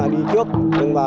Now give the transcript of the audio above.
đi trước nhưng mà